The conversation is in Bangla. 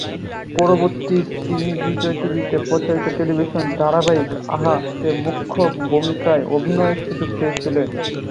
পরবর্তীতে তিনি বিজয় টিভিতে প্রচারিত টেলিভিশন ধারাবাহিক "আহা"-তে মুখ্য ভূমিকায় অভিনয়ের সুযোগ পেয়েছিলেন।